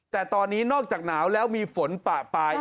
แต่ตอนนี้นอกจากหนาวแล้วมีฝนปะปลาย